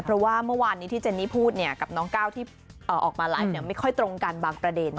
เพราะว่าเมื่อวานนี้ที่เจนนี่พูดกับน้องก้าวที่ออกมาไลฟ์ไม่ค่อยตรงกันบางประเด็น